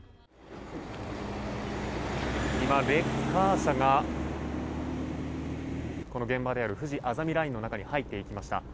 今、レッカー車が現場であるふじあざみラインの中に入っていきました。